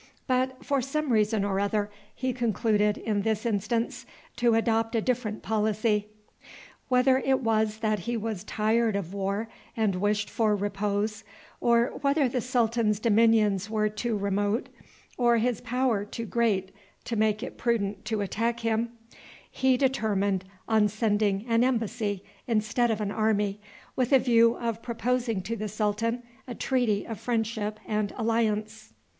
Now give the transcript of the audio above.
But, for some reason or other, he concluded, in this instance, to adopt a different policy. Whether it was that he was tired of war and wished for repose, or whether the sultan's dominions were too remote, or his power too great to make it prudent to attack him, he determined on sending an embassy instead of an army, with a view of proposing to the sultan a treaty of friendship and alliance.